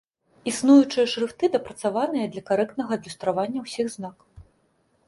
Існуючыя шрыфты дапрацаваныя для карэктнага адлюстравання ўсіх знакаў.